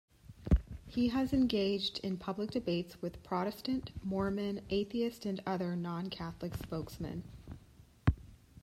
He has engaged in public debates with Protestant, Mormon, atheist, and other non-Catholic spokesmen.